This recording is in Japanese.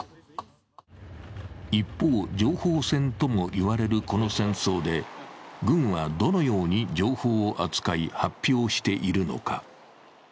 一方、情報戦とも言われるこの戦争で軍はどのように情報を扱い、発表しているのか。